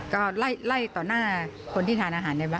ก็ไล่ต่อหน้าคนที่ทานอาหารในวัด